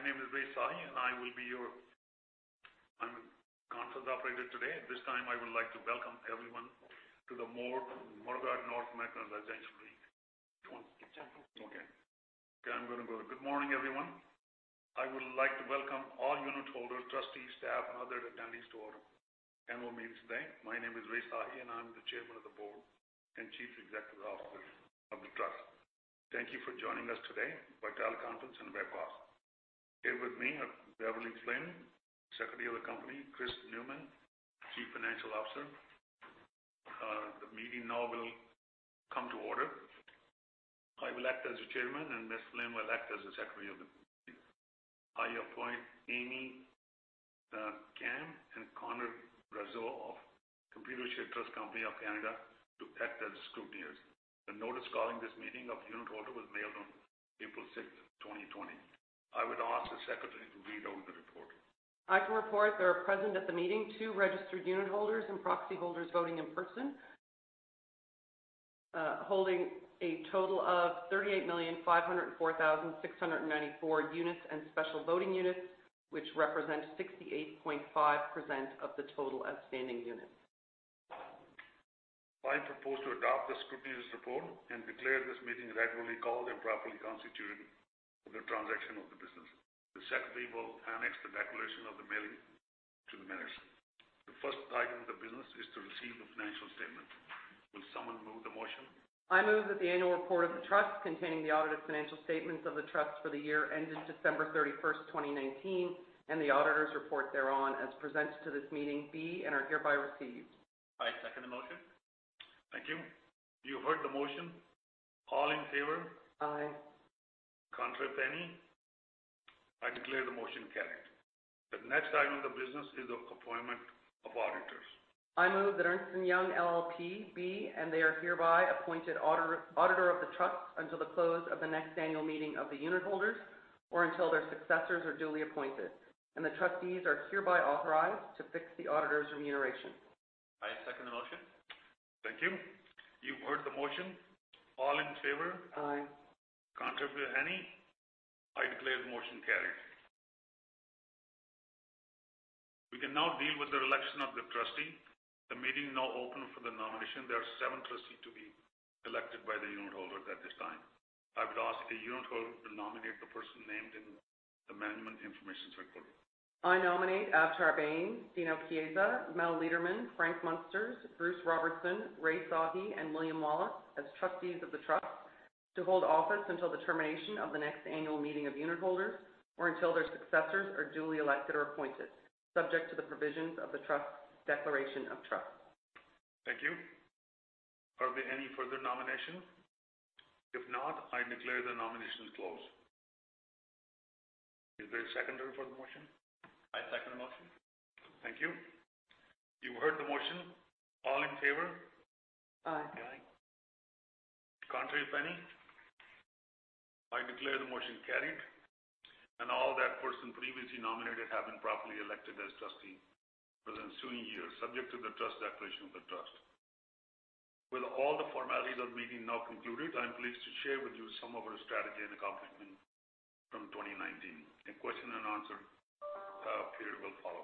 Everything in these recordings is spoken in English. Good morning. My name is Rai Sahi and I will be your conference operator today. At this time, I would like to welcome everyone to the Morguard North American Residential REIT. Okay. Good morning everyone. I would like to welcome all unitholders, trustees, staff, and other attendees to our annual meeting today. My name is Rai Sahi, and I'm the Chairman of the Board and Chief Executive Officer of the trust. Thank you for joining us today by teleconference and by proxy. Here with me are Beverley Flynn, Secretary of the Company, and Chris Newman, Chief Financial Officer. The meeting now will come to order. I will act as your Chairman, and Ms. Flynn will act as the Secretary of the Meeting. I appoint Amy Kam and Connor Rasole of Computershare Trust Company of Canada to act as scrutineers. The notice calling this meeting of unitholders was mailed on April 6th, 2020. I would ask the secretary to read out the report. I can report there are present at the meeting two registered unitholders and proxy holders voting in person, holding a total of 38,504,694 units and special voting units, which represent 68.5% of the total outstanding units. I propose to adopt the scrutineers report and declare this meeting regularly called and properly constituted for the transaction of the business. The secretary will annex the declaration of the mailing to the minutes. The first item of the business is to receive the financial statement. Will someone move the motion? I move that the annual report of the trust containing the audited financial statements of the trust for the year ended December 31st, 2019, and the auditors report thereon as presented to this meeting be, and are hereby received. I second the motion. Thank you. You have heard the motion. All in favor? Aye. Contrary, if any? I declare the motion carried. The next item of business is the appointment of auditors. I move that Ernst & Young LLP be, and they are hereby appointed auditor of the trust until the close of the next annual meeting of the unitholders or until their successors are duly appointed, and the trustees are hereby authorized to fix the auditors' remuneration. I second the motion. Thank you. You've heard the motion. All in favor? Aye. Contrary, if any? I declare the motion carried. We can now deal with the election of the Trustee. The meeting now open for the nomination. There are seven trustees to be elected by the unitholders at this time. I would ask a unitholder to nominate the person named in the management information circular. I nominate Avtar Bains, Dino Chiesa, Mel Leiderman, Frank Munsters, Bruce Robertson, Rai Sahi, and William Wallace as trustees of the trust to hold office until the termination of the next annual meeting of unitholders or until their successors are duly elected or appointed, subject to the provisions of the Declaration of Trust. Thank you. Are there any further nominations? If not, I declare the nominations closed. Is there a seconder for the motion? I second the motion. Thank you. You heard the motion. All in favor? Aye. Contrary, if any? I declare the motion carried, and all that person previously nominated have been properly elected as trustee for the ensuing year, subject to the Declaration of Trust of the trust. With all the formalities of meeting now concluded. I am pleased to share with you some of our strategy and accomplishment from 2019. A question and answer period will follow.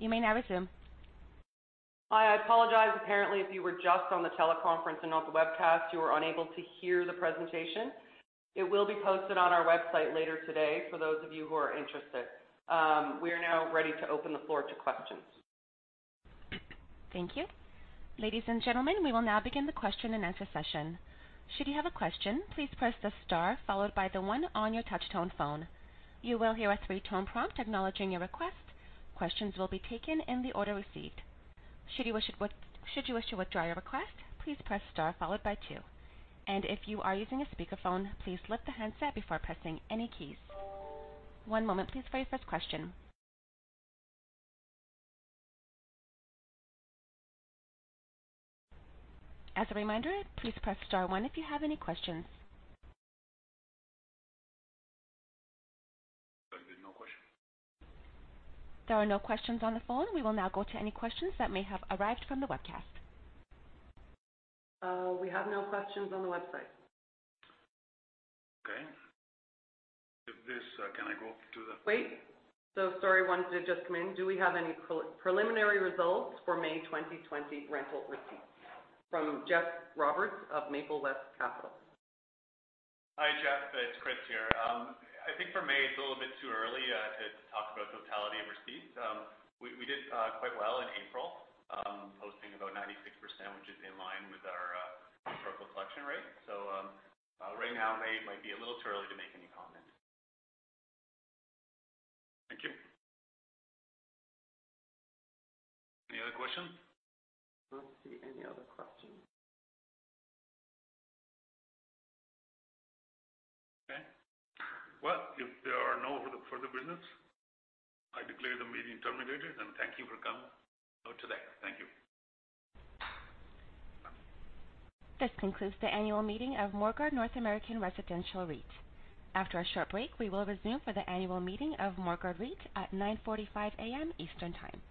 You may now resume. I apologize. Apparently, if you were just on the teleconference and not the webcast, you were unable to hear the presentation. It will be posted on our website later today for those of you who are interested. We are now ready to open the floor to questions. Thank you. Ladies and gentlemen we will now begin the question and answer session. Should you have a question, please press the star followed by the one on your touch-tone phone. You will hear a three-tone prompt acknowledging your request. Questions will be taken in the order received. Should you wish to withdraw your request, please press star followed by two. If you are using a speakerphone, please lift the handset before pressing any keys. One moment please for your first question. As a reminder, please press star one if you have any questions. There are no questions. There are no questions on the phone. We will now go to any questions that may have arrived from the webcast. We have no questions on the website. Okay. With this, can I go to? Wait. Sorry, one did just come in. Do we have any preliminary results for May 2020 rental receipts? From Jeff Roberts of Maplewest Capital Corporation. Hi Jeff. It's Chris here. I think for May, it's a little bit too early to talk about totality of receipts. We did quite well in April, posting about 96%, which is in line with our historical collection rate. Right now, May might be a little too early to make any comments. Thank you. Any other questions? I don't see any other questions. Well, if there are no further business, I declare the meeting terminated, and thank you for coming out today. Thank you. This concludes the annual meeting of Morguard North American Residential REIT. After a short break, we will resume for the annual meeting of Morguard REIT at 9:45 A.M. Eastern Time.